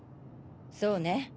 そうね。